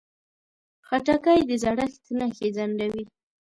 خټکی د زړښت نښې ځنډوي.